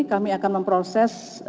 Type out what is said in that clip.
kami akan memproses